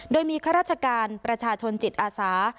โดยมีข้าราชการประชาชนจิตอาสา